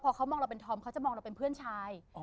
พอเขามองเราเป็นธอมเขาจะมองเราเป็นเพื่อนชาย